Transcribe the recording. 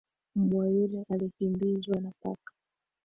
Mbwa yule alikimbizwa na paka